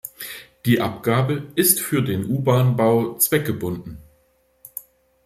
Die Abgabe ist für den U-Bahn-Bau zweckgebunden.